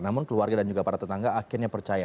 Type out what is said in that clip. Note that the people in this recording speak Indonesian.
namun keluarga dan juga para tetangga akhirnya percaya